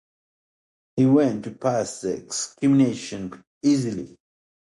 He went on to pass his examination easily.